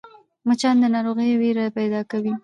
مچان د ناروغۍ وېره پیدا کوي